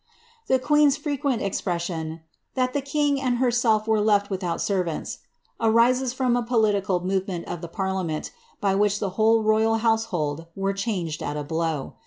'' The queen's frequent expression, ^ that the king and herself were left without servants," arises from a political movement of the parliament, by wliich the whole royal household were changed at a blow.